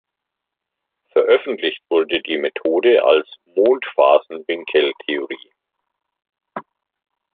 Veröffentlicht wurde die Methode als Mondphasenwinkel-Theorie.